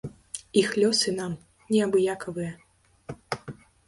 Іх лёсы нам не абыякавыя.